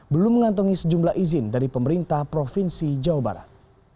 belum mengantongi sejumlah izin dari pemerintah provinsi jawa barat